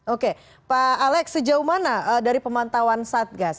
oke pak alex sejauh mana dari pemantauan satgas